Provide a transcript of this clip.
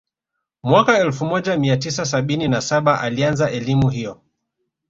Mwaka elfu moja mia tisa sabini na saba alianza elimu hiyo